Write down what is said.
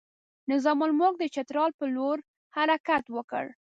نظام الملک د چترال پر لور حرکت وکړ.